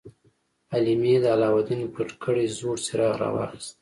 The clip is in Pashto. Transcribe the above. حلیمې د علاوالدین پټ کړی زوړ څراغ راواخیست.